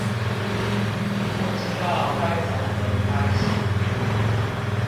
不知道該從何開始